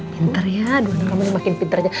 pinter ya aduh anak rumahnya makin pinter aja